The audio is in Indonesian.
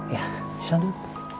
ya silahkan dulu